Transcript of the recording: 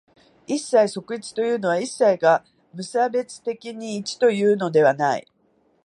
一切即一というのは、一切が無差別的に一というのではない。